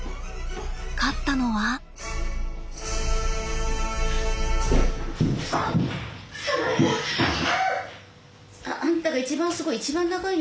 勝ったのは？あんたが一番すごい一番長いよ